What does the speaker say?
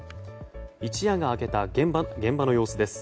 一夜が明けた現場の様子です。